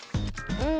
うん。